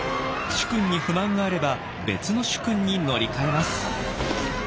主君に不満があれば別の主君に乗り換えます。